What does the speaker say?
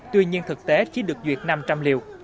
tuy nhiên thực tế chỉ được duyệt năm trăm linh liều